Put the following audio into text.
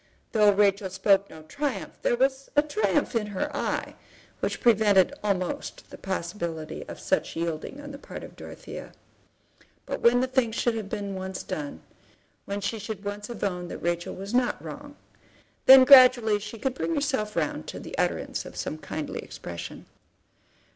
Though Rachel spoke no triumph, there was a triumph in her eye, which prevented almost the possibility of such yielding on the part of Dorothea. But when the thing should have been once done, when she should once have owned that Rachel was not wrong, then gradually she could bring herself round to the utterance of some kindly expression.